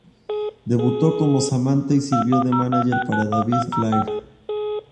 Debutó como "Samantha" y sirvió de mánager para David Flair.